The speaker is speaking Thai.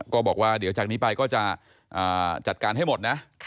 ก็บอกว่าเดี๋ยวจากนี้ไปก็จะจัดการให้หมดนะ